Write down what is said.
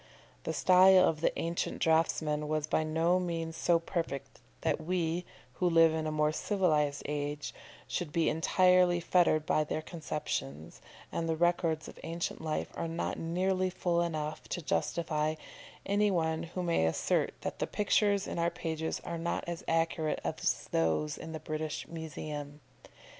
The style of the ancient draughtsmen was by no means so perfect that we, who live in a more civilised age, should be entirely fettered by their conceptions, and the records of ancient life are not nearly full enough to justify any one who may Assert that the pictures in our pages are not as accurate as those in the British Museum.